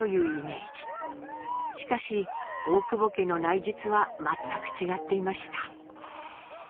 しかし大久保家の内実は全く違っていました。